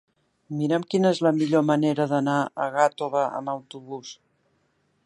Mira'm quina és la millor manera d'anar a Gàtova amb autobús.